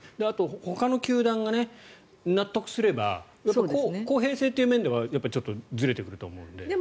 ほかの球団が納得すれば公平性という面ではずれてくると思うので。